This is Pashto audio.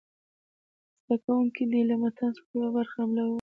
زده کوونکي دې له متن څخه یوه برخه املا ووایي.